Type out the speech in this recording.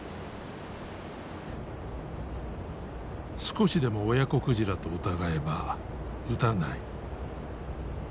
少しでも親子鯨と疑えば撃たない。